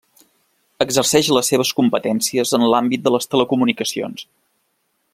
Exerceix les seves competències en l'àmbit de les telecomunicacions.